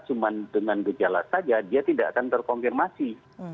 cuma dengan gejala saja dia tidak akan terkonfirmasi